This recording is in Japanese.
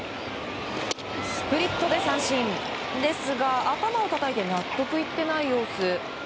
スプリットで三振ですが頭をたたいて納得いっていない様子。